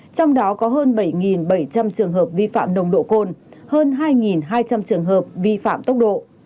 trong đó có hơn bảy bảy trăm linh trường hợp vi phạm nồng độ cồn hơn hai hai trăm linh trường hợp vi phạm tốc độ